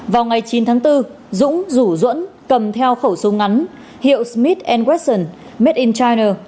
vào ngày chín tháng bốn dũng rủ duẫn cầm theo khẩu số ngắn hiệu smith wesson made in china